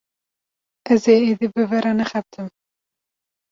Ez ê êdî bi we re nexebitim.